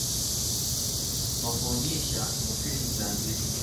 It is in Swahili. kwa kuonyesha mofimu za njeo